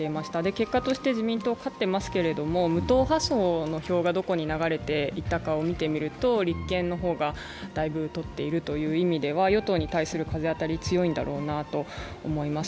結果として自民党が勝っていますけども、無党派層の票がどこに流れていったかを見てみると、立憲の方がだいぶとっているということで与党に対する風当たり強いんだろうなと思います。